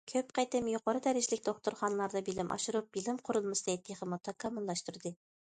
كۆپ قېتىم يۇقىرى دەرىجىلىك دوختۇرخانىلاردا بىلىم ئاشۇرۇپ، بىلىم قۇرۇلمىسىنى تېخىمۇ تاكامۇللاشتۇردى.